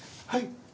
はい！